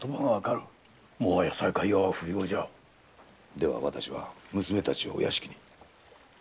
では私は娘たちをお屋敷に。